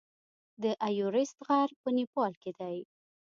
د ایورسټ غر په نیپال کې دی.